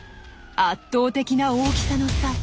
圧倒的な大きさの差。